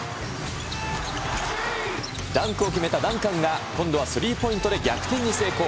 ダンクを決めたダンカンが、今度はスリーポイントで逆転に成功。